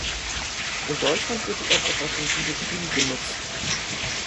In Deutschland wird die App etwa von Guido Kühn genutzt.